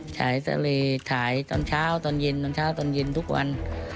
สายทะเลขายตอนเช้าตอนเย็นตอนเช้าตอนเย็นทุกวัน